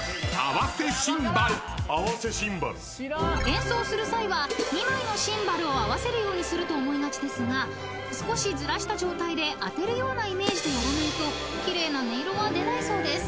［演奏する際は２枚のシンバルを合わせるようにすると思いがちですが少しずらした状態であてるようなイメージでやらないと奇麗な音色は出ないそうです］